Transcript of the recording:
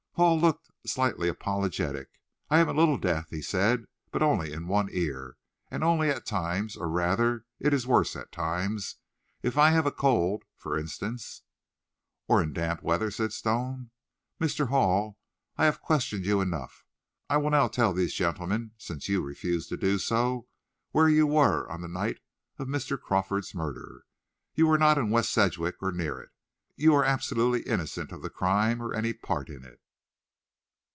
Hall looked slightly apologetic. "I am a little deaf," he said; "but only in one ear. And only at times or, rather, it's worse at times. If I have a cold, for instance." "Or in damp weather?" said Stone. "Mr. Hall, I have questioned you enough. I will now tell these gentlemen, since you refuse to do so, where you were on the night of Mr. Crawford's murder. You were not in West Sedgwick, or near it. You are absolutely innocent of the crime or any part in it."